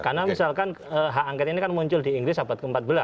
karena misalkan hak angket ini kan muncul di inggris abad ke empat belas